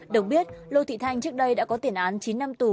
được biết lô thị thanh trước đây đã có tiền án chín năm tù